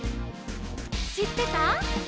「しってた？」